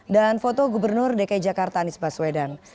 dan foto gubernur dki jakarta anies baswedan